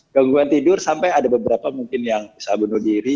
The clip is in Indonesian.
gangguan tidur sampai ada beberapa mungkin yang bisa bunuh diri